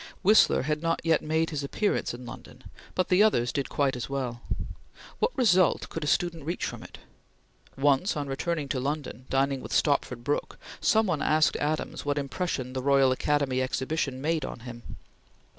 Whistler had not yet made his appearance in London, but the others did quite as well. What result could a student reach from it? Once, on returning to London, dining with Stopford Brooke, some one asked Adams what impression the Royal Academy Exhibition made on him.